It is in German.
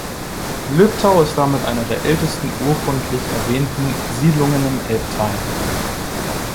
Löbtau ist damit eine der ältesten urkundlich erwähnten Siedlungen im Elbtal.